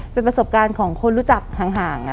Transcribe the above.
เป็นประสบการณ์ของคนรู้จักห่าง